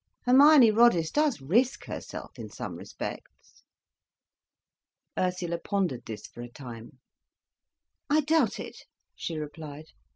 Hermione Roddice does risk herself in some respects." Ursula pondered this for a time. "I doubt it," she replied.